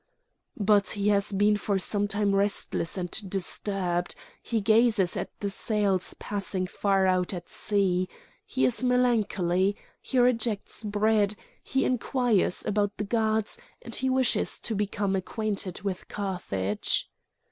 "But he has been for some time restless and disturbed. He gazes at the sails passing far out at sea; he is melancholy, he rejects bread, he inquires about the gods, and he wishes to become acquainted with Carthage."